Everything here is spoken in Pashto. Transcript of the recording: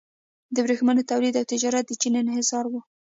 د ورېښمو تولید او تجارت د چین انحصاري و.